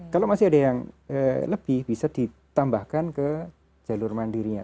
kalau masih ada yang lebih bisa ditambahkan ke jalur mandirinya